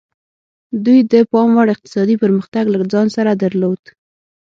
دوی د پاموړ اقتصادي پرمختګ له ځان سره درلود.